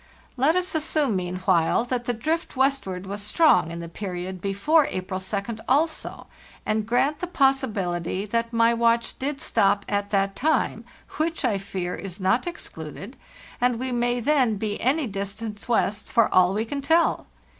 Let us assume meanwhile that the drift west ward was strong in the period before April 2d also, and grant the possibility that my watch did stop at that time (which, I fear, is not excluded), and we may then be any distance west for all we can tell.